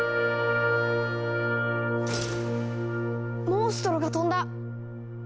モンストロが飛んだ！